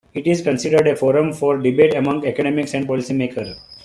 It is considered a forum for debate among academics and policy makers.